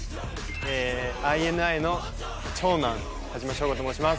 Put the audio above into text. ＩＮＩの長男田島将吾と申します